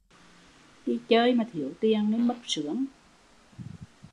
Đi chơi mà thiếu tiền nên mất sướng